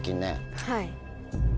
はい。